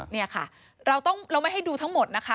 นี่ค่ะเราไม่ให้ดูทั้งหมดนะคะ